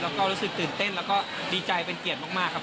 แล้วก็รู้สึกตื่นเต้นแล้วก็ดีใจเป็นเกียรติมากครับ